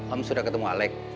om sudah ketemu alec